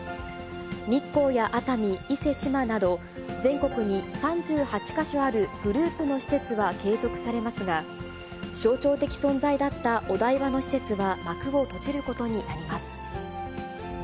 日光や熱海、伊勢志摩など、全国に３８か所あるグループの施設は継続されますが、象徴的存在だったお台場の施設は幕を閉じることになります。